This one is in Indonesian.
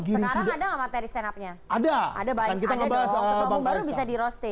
giring ada materi stand upnya ada ada baik kita ngebahas